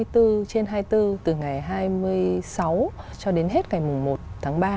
hai mươi bốn trên hai mươi bốn từ ngày hai mươi sáu cho đến hết ngày một tháng ba